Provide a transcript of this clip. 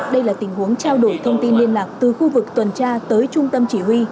đây là tình huống trao đổi thông tin liên lạc từ khu vực tuần tra tới trung tâm chỉ huy